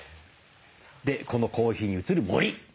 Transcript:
でこのコーヒーに映る森。